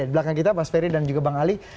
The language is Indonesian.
di belakang kita mas ferry dan juga bang ali